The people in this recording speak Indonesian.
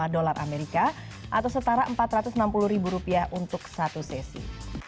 lima dolar amerika atau setara empat ratus enam puluh ribu rupiah untuk satu sesi